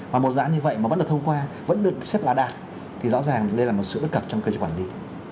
và một dãn như vậy mà vẫn được thông qua vẫn được xếp lá đạt thì rõ ràng đây là một sự bất cập trong cơ chế quản lý